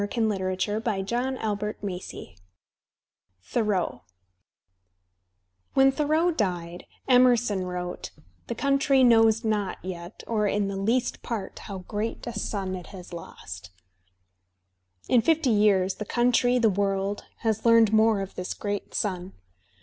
Digitized by Google CHAPTER X THOREAU When Thoreau died, Emerson wrote: "The country knows not yet, or in the least part how great a son it has lost." In fifty years the country, the world, has learned more of this great son.